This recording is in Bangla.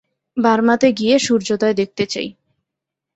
বার্মাতে গিয়ে সূর্যোদয় দেখতে চাই।